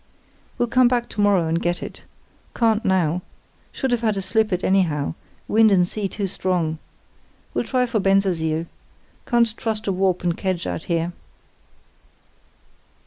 We'll come back to morrow and get it. Can't now. Should have had to slip it anyhow; wind and sea too strong. We'll try for Bensersiel. Can't trust to a warp and kedge out here.